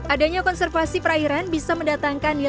adanya konservasi perairan bisa mendatangkan nilai